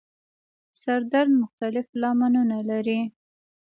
سر درد مختلف لاملونه لري